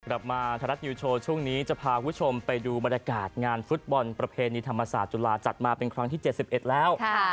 กลับมาไทยรัฐนิวโชว์ช่วงนี้จะพาคุณผู้ชมไปดูบรรยากาศงานฟุตบอลประเพณีธรรมศาสตร์จุฬาจัดมาเป็นครั้งที่๗๑แล้ว